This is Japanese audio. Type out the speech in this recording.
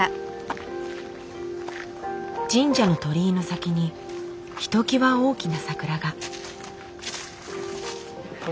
神社の鳥居の先にひときわ大きな桜が。